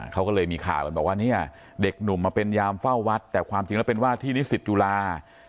เขาก็เลยมีข่าวกันบอกว่าเนี่ยเด็กหนุ่มมาเป็นยามเฝ้าวัดแต่ความจริงแล้วเป็นว่าที่นิสิตจุฬา